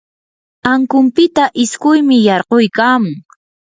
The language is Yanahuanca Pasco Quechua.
ankunpita isquymi yarquykamun.